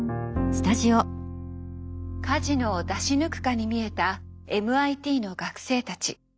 カジノを出し抜くかに見えたＭＩＴの学生たち。